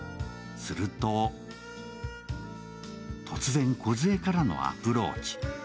すると、突然こずえからのアプローチ。